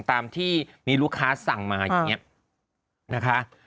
ตามที่มีลูกค้าสั่งมาอย่างนี้นะคะ